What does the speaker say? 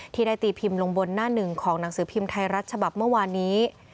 ที่ได้ตีพิมพ์ลงบนหน้าหนึ่งของหนังสือพิมพ์ไทยรัฐฉบับเมื่อวานนี้